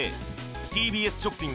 ＴＢＳショッピング